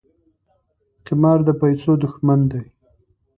قمار د پیسو دښمن دی.